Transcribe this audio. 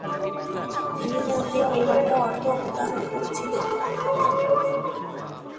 তিনি মন্দির নির্মাণে অর্থ অনুদান ও করেছিলেন।